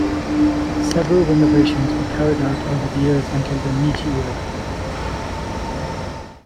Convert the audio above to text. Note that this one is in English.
Several renovations were carried out over the years until the Meiji era.